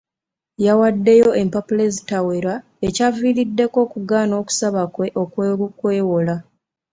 Yawaddeyo empapula ezitawera ekyaviiriddeko okugaana okusaba kwe okw'okwewola.